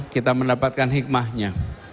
kita mendapatkan hikmahnya